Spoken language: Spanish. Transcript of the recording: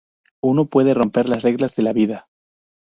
Uno puede romper las reglas de la vida.